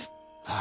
あ。